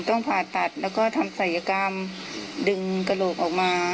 ต้องผ่าตัดแล้วก็ทำศัยกรรมดึงกระโหลกออกมา